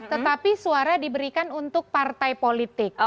tetapi suara diberikan untuk partai politik